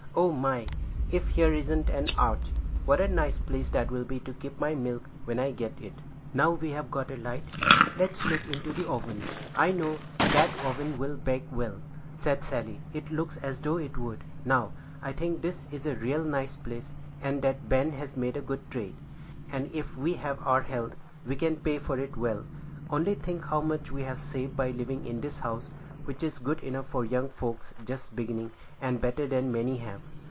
"O, my! if here isn't an arch; what a nice place that will be to keep my milk, when I get it." "Now we've got a light, let's look into the oven." "I know that oven will bake well," said Sally; "it looks as though it would. Now, I think this is a real nice place, and that Ben has made a good trade; and, if we have our health, we can pay for it well enough. Only think how much we've saved by living in this house, which is good enough for young folks just beginning, and better than many have.